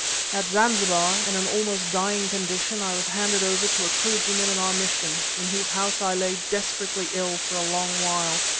"At Zanzibar, in an almost dying condition, I was handed over to a clergyman of our mission, in whose house I lay desperately ill for a long while.